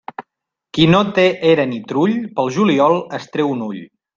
Qui no té era ni trull, pel juliol es treu un ull.